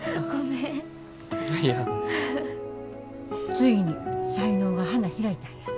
ついに才能が花開いたんやな。